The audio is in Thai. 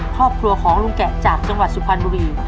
ครอบครัวของลุงแกะจากจังหวัดสุพรรณบุรี